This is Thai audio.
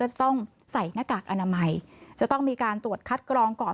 จะต้องใส่หน้ากากอนามัยจะต้องมีการตรวจคัดกรองก่อน